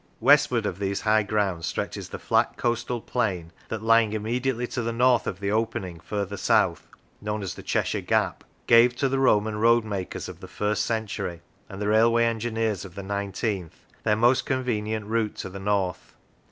Westward of these high grounds stretches the flat coastal plain, that lying immediately to the north of the opening further south known as the " Cheshire gap " gave to the Roman road makers of the first century, and the railway engineers of the nineteenth, their most convenient route to the north.